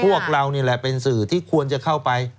พวกเรานี่แหละเป็นสื่อที่ควรจะเข้าไป